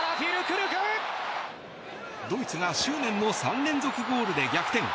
ドイツが執念の３連続ゴールで逆転。